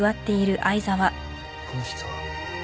この人は？